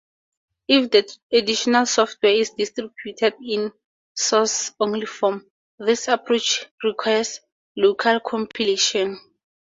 If the additional software is distributed in source-only form, this approach requires local compilation.